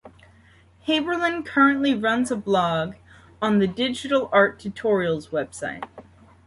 Haberlin currently runs a blog on the Digital Art Tutorials website.